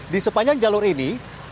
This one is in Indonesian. di sepanjang jalur ini